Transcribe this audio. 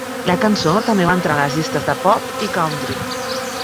La cançó també va entrar a les llistes de pop i country.